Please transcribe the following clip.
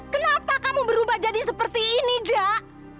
kenapa kamu berubah jadi seperti ini jak